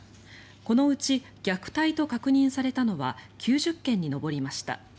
このうち虐待と確認されたのは９０件に上りました。